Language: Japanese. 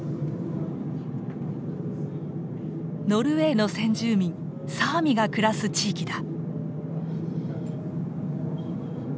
ノルウェーの先住民サーミが暮らす地域だ。